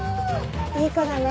いい子だね。